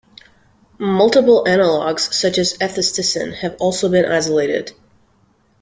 Multiple analogues, such as ethysticin, have also been isolated.